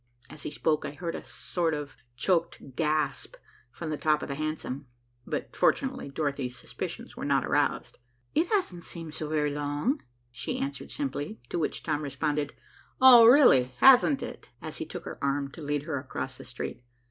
As he spoke, I heard a sort of choked gasp from the top of the hansom, but fortunately Dorothy's suspicions were not aroused. "It hasn't seemed so very long," she answered simply, to which Tom responded, "Oh, really, hasn't it?" as he took her arm to lead her across the street.